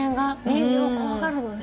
人間を怖がるのね。